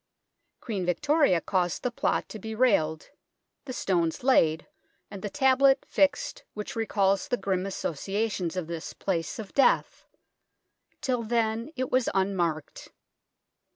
Queen Victoria caused the plot to be railed, the stones laid, and the tablet fixed which recalls the grim associations of this place of death. Till then it was unmarked.